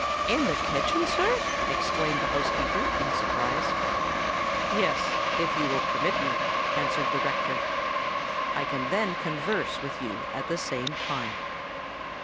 "In the kitchen, sir!" exclaimed the housekeeper, in surprise. "Yes—if you will permit me," answered the rector: "I can then converse with you at the same time."